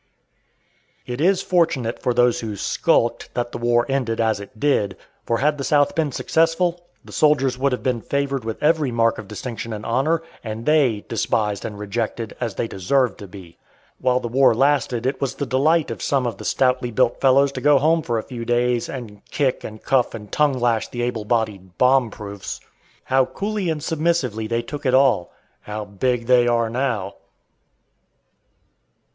It is fortunate for those who "skulked" that the war ended as it did, for had the South been successful, the soldiers would have been favored with every mark of distinction and honor, and they "despised and rejected," as they deserved to be. While the war lasted it was the delight of some of the stoutly built fellows to go home for a few days, and kick and cuff and tongue lash the able bodied bomb proofs. How coolly and submissively they took it all! How "big" they are now!